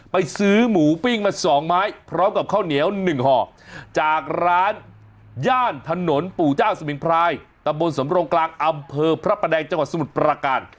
ไปซื้อหมูปิ้งมา๒ไม้พร้อมกับข้าวเหนียว๑ห่อจากร้านย่านถนนปู่เจ้าสมิงพรายตำบลสำรงกลางอำเภอพระประแดงจังหวัดสมุทรประการ